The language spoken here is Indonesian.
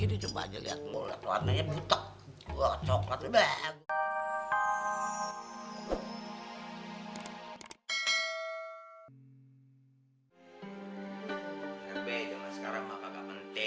ini coba aja lihat mulut warnanya butuh coba